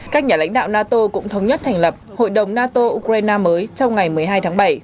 các nhà lãnh đạo nato cũng thống nhất thành lập hội đồng nato ukraine mới trong ngày một mươi hai tháng bảy